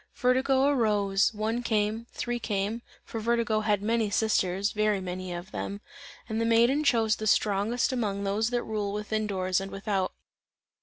Vertigo arose; one came, three came, (for Vertigo had many sisters, very many of them) and the Maiden chose the strongest among those that rule within doors and without.